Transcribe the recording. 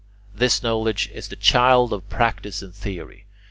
This knowledge is the child of practice and theory.